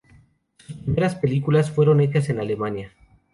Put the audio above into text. Sus primera películas fueron hechas en Alemania.